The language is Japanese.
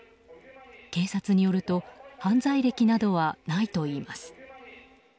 警察によると犯罪歴などはないといいます。